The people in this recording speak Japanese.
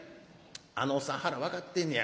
「あのおっさん腹分かってんね